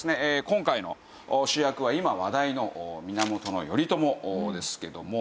今回の主役は今話題の源頼朝ですけども。